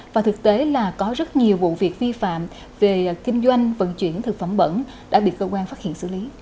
và thực tế là có rất nhiều vụ việc vi phạm về kinh doanh vận chuyển thực phẩm bẩn đã bị cơ quan phát hiện xử lý